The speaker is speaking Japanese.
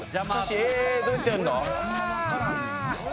えどうやってやるの？